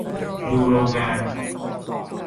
ดูโรงงาน